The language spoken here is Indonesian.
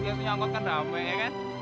biasanya angkot kan rame kan